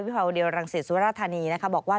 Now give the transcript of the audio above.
วิธีโปรดิวลังสีรัฐานีบอกว่า